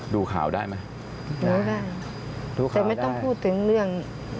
ดูข่าวได้ไหมไม่ได้แต่ไม่ต้องพูดถึงเรื่อง